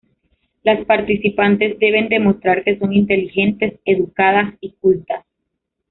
Las participantes deben demostrar que son inteligentes, educadas y cultas.